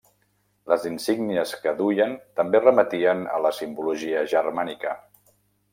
Les insígnies que duien també remetien a la simbologia germànica.